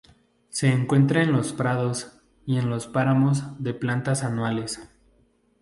Se encuentra en los prados y en los páramos de plantas anuales.